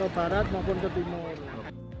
ke barat maupun ke timur